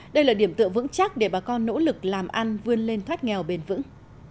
đây là điểm tựa vững chắc để bà con nỗ lực làm ăn vươn lên thoát nghèo bền vững